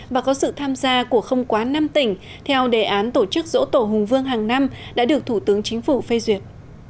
và có sự tham gia của không quá năm tỉnh theo đề án tổ chức dỗ tổ hùng vương hàng năm đã được thủ tướng chính phủ phê duyệt